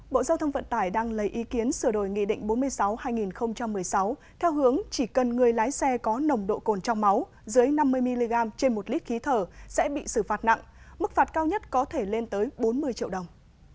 bộ giao thông vận tải đang lấy ý kiến sửa đổi nghị định bốn mươi sáu hai nghìn một mươi sáu theo hướng chỉ cần người lái xe có nồng độ cồn trong máu dưới năm mươi mg trên một lít khí thở sẽ bị xử phạt nặng mức phạt cao nhất có thể lên tới bốn mươi triệu đồng